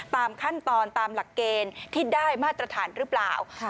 ตามขั้นตอนตามหลักเกณฑ์ที่ได้มาตรฐานหรือเปล่า